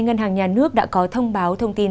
ngân hàng nhà nước đã có thông báo thông tin